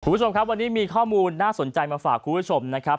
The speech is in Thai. คุณผู้ชมครับวันนี้มีข้อมูลน่าสนใจมาฝากคุณผู้ชมนะครับ